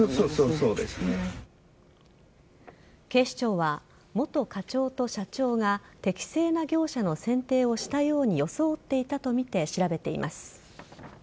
警視庁は元課長と社長が適正な業者の選定をしたように装っていたとみて調べてみます。